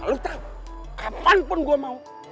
lu tau kapan pun gue mau